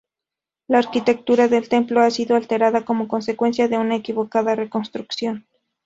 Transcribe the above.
La arquitectura del templo ha sido alterada como consecuencia de una equivocada reconstrucción.